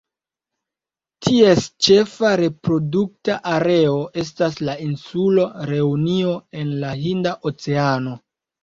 Ties ĉefa reprodukta areo estas la insulo Reunio en la Hinda Oceano.